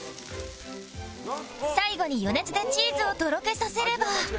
最後に余熱でチーズをとろけさせれば